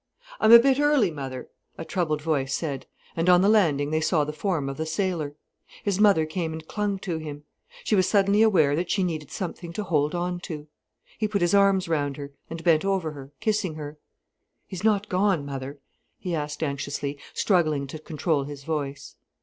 "I'm a bit early, mother," a troubled voice said, and on the landing they saw the form of the sailor. His mother came and clung to him. She was suddenly aware that she needed something to hold on to. He put his arms round her, and bent over her, kissing her. "He's not gone, mother?" he asked anxiously, struggling to control his voice.